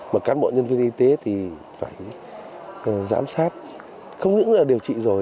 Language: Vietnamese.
mà cán bộ nhân viên y tế thì phải giám sát không những là điều trị rồi